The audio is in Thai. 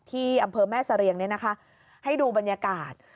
ที่อำเภอแม่เสรียงให้ดูบรรยากาศ